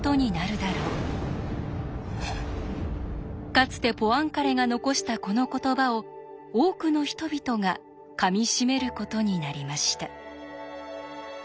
かつてポアンカレが残したこの言葉を多くの人々がかみしめることになりました。